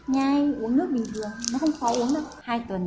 nháy uống nước bình thường nó không khó uống đâu